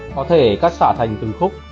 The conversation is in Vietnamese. có thể cắt sả thành từng khúc